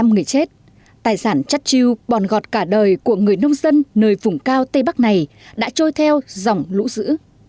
một mươi năm người chết tài sản chắt chiêu bòn gọt cả đời của người nông dân nơi vùng cao tây bắc này đã trôi theo dòng lũ dữ